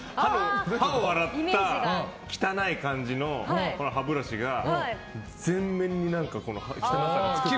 歯を洗った汚い感じの歯ブラシが前面に汚さがつくから。